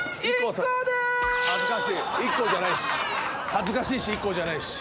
恥ずかしいしＩＫＫＯじゃないし。